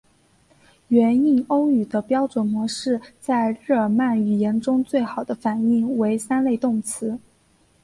原印欧语的标准模式在日耳曼语言中最好的反映为三类动词。